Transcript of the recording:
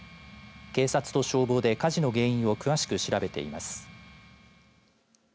警察と消防で火事の原因を詳しく調べています。